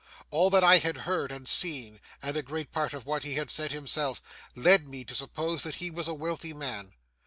All that I had heard and seen, and a great part of what he had said himself, led me to suppose that he was a wealthy man.